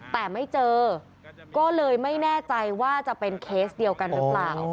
แต่ไม่เจอก็เลยไม่แน่ใจว่าจะเป็นเคสเดียวกันหรือเปล่า